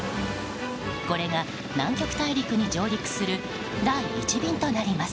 これが南極大陸に上陸する第１便となります。